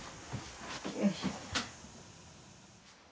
よいしょ。